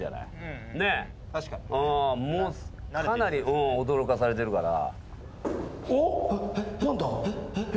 もうかなり驚かされてるから。